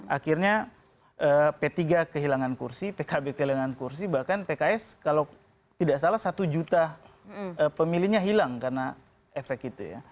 akhirnya p tiga kehilangan kursi pkb kehilangan kursi bahkan pks kalau tidak salah satu juta pemilihnya hilang karena efek itu ya